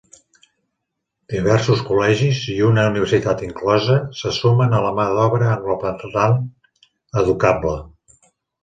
Diversos col·legis, i una universitat inclosa, se sumen a la mà d'obra angloparlant educable.